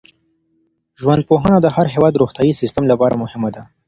ژوندپوهنه د هر هېواد د روغتیايي سیسټم لپاره مهمه ده.